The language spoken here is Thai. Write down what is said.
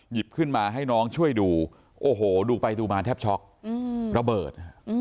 หยิบขึ้นมาให้น้องช่วยดูโอ้โหดูไปดูมาแทบช็อกระเบิด